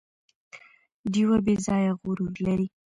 ډیوه بې ځايه غرور لري